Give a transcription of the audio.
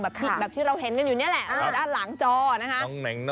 ผิดแบบที่เราเห็นกันอยู่นี่แหละด้านหลังจอนะคะ